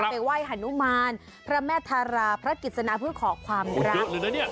ไปไหว้ฮานุมานพระแม่ธาราพระกิจสนาเพื่อขอความรัก